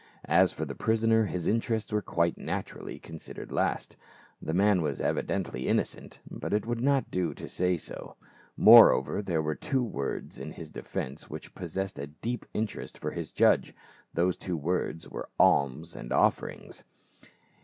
As for the prisoner, his interests were quite naturally considered last , the man was evidently innocent, but it would not do to say so ; moreover, there were two words in his defence which possessed a deep interest for his judge, those two words were "alms and offerings."